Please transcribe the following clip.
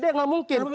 di bsd gak mungkin